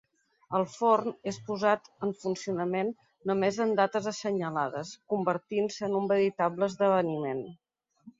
El forn és posat en funcionament només en dates assenyalades, convertint-se en un veritable esdeveniment.